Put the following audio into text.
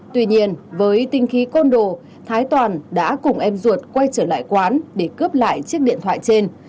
tuy nhiên với tinh khí côn đồ thái toàn đã cùng em ruột quay trở lại quán để cướp lại chiếc điện thoại trên